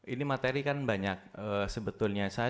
ini materi kan banyak sebetulnya